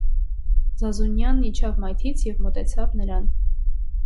Զազունյանն իջավ մայթից և մոտեցավ նրան: